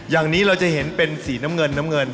อย่างนี้เราจะเห็นเป็นสีน้ำเงินน้ำเงิน